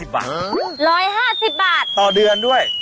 ๑๕๐บาทต่อเดือนด้วย